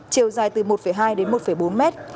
chiều dài từ một hai đến một bốn mét